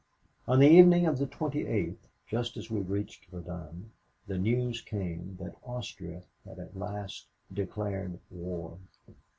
"On the evening of the 28th, just as we reached Verdun, the news came that Austria had at last declared war.